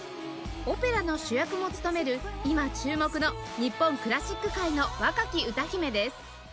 オペラの主役も務める今注目の日本クラシック界の若き歌姫です